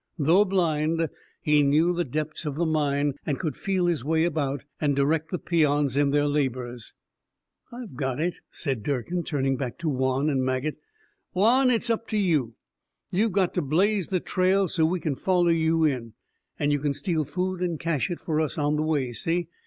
Though blind, he knew the depths of the mine and could feel his way about, and direct the peons in their labors. "I've got it," said Durkin, turning back to Juan and Maget. "Juan, it's up to you. You've got to blaze the trail so we can follow you in. And you can steal food and cache it for use on the way, see?